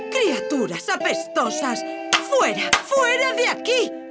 kriaturah apestosah fuera fuera di aki